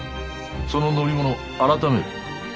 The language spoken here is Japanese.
その乗り物検める。